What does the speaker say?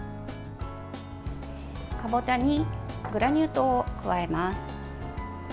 かぼちゃにグラニュー糖を加えます。